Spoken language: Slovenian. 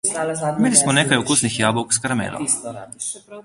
Imeli smo nekaj okusnih jabolk s karamelo.